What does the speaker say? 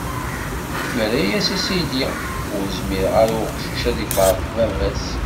Nerra-as i sidi: Ur izmir ara uqcic ad ifareq baba-s.